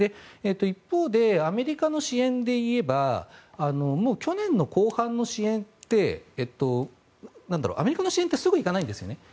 一方でアメリカの支援でいえばもう去年の後半の支援ってアメリカの支援ってすぐに行かないんですね。